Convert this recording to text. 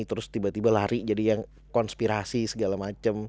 terus tiba tiba lari jadi yang konspirasi segala macam